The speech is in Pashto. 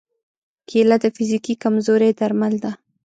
کېله د فزیکي کمزورۍ درمل ده.